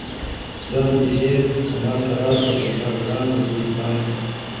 ځان دي هېر که ماته راسه پر ما ګرانه زه دي پایم